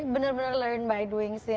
benar benar laren by doing sih